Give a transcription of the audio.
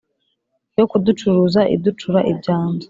Yo kuducuza iducura ibyanzu.